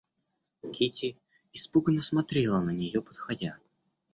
Кити испуганно смотрела на нее, подходя.